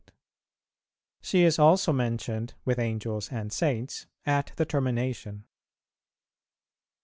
She is also mentioned with Angels and Saints at the termination.